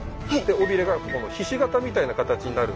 尾びれがここのひし形みたいな形になる。